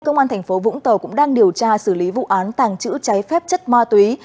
công an thành phố vũng tàu cũng đang điều tra xử lý vụ án tàng trữ cháy phép chất ma túy